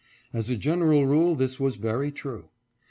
As a general rule this was very true.